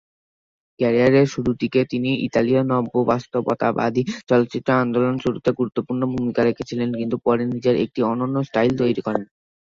ক্যারিয়ারের শুরুর দিকে তিনি ইতালীয় নব্য-বাস্তবতাবাদী চলচ্চিত্র আন্দোলন শুরুতে গুরুত্বপূর্ণ ভূমিকা রেখেছিলেন, কিন্তু পরে নিজের একটি অনন্য স্টাইল তৈরি করেন।